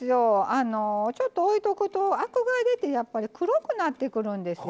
ちょっと置いとくとあくが出て黒くなってくるんですよ。